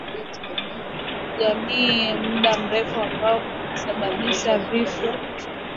Jamii za walendu na wahema zina mzozo wa muda mrefu ambao ulisababisha vifo vya maelfu ya watu